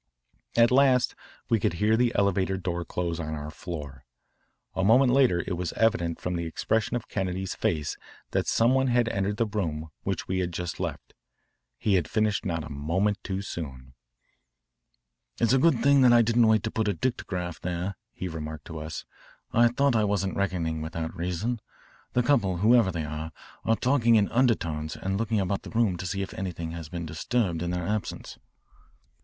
At last we could hear the elevator door close on our floor. A moment later it was evident from the expression of Kennedy's face that some one had entered the room which we had just left. He had finished not a moment too soon. "It's a good thing that I didn't wait to put a dictograph there," he remarked to us. "I thought I wasn't reckoning without reason. The couple, whoever they are, are talking in undertones and looking about the room to see if anything has been disturbed in their absence."